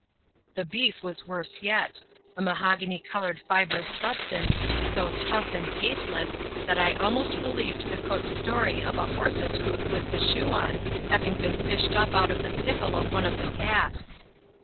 The beef was worse yet ; a maho gany coloured fibrous substance, so tough and tasteless, that I almost believed the cook's story of a horse's hoof with the shoe on having been fished up out of the pickle of one of the casks.